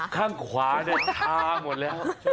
ข้างขวาได้ทาหมดละ